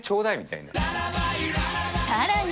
さらに。